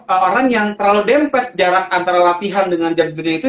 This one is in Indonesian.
orang yang terlalu dempet jarak antara latihan dengan jam dunia itu